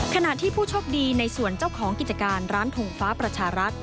ขณะที่ผู้โชคดีในส่วนเจ้าของกิจการร้านทงฟ้าประชารัฐ